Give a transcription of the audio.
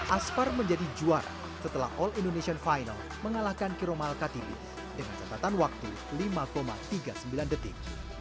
aspar menjadi juara setelah all indonesian final mengalahkan kiromal khatibi dengan catatan waktu lima tiga puluh sembilan detik